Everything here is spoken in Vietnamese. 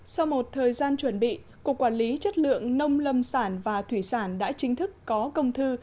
sau một thời gian chuẩn bị cục quản lý chất lượng nông lâm sản và thủy sản đã chính thức có công thư